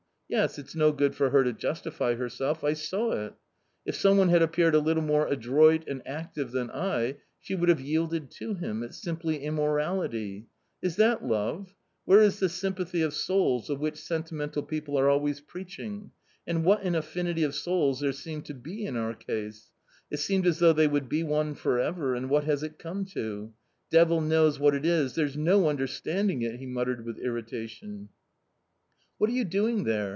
Yes, it's no good for her to justify herself, I saw it ! If some one had appeared a little more adroit and active than I, she would have yielded to him ; it's simply immorality ! Is that love ? Where is the sympathy of souls of which sentimental people are always preaching? and what an a ffinity of souj s there seemed to be in our case ! it seemed as L tfiough they would be one for ever, and what has it come to ? Devil knows what it is, there's no under standing it !" he muttered with irritation. "What are you doing there?